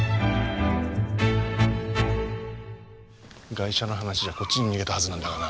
ガイシャの話じゃこっちに逃げたはずなんだがな。